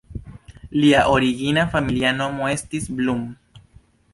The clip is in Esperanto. Lia origina familia nomo estis "Blum".